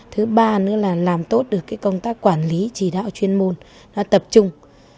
thứ ba nữa là làm tốt được công tác quản lý chỉ đạo chuyên môn tập trung